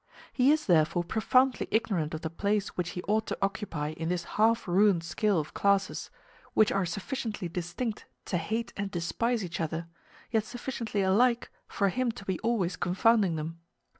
He is therefore profoundly ignorant of the place which he ought to occupy in this half ruined scale of classes, which are sufficiently distinct to hate and despise each other, yet sufficiently alike for him to be always confounding them.